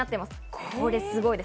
これすごいです！